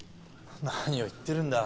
何を言ってるんだ？